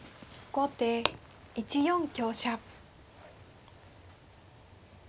後手１四香車。